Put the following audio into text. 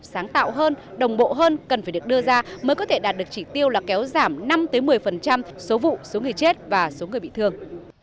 sáng tạo hơn đồng bộ hơn cần phải được đưa ra mới có thể đạt được chỉ tiêu là kéo giảm năm một mươi số vụ số người chết và số người bị thương